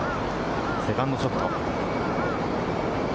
セカンドショット。